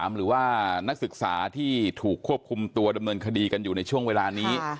หรือว่านักศึกษาที่ถูกควบคุมตัวดำเนินคดีกันอยู่ในช่วงเวลานี้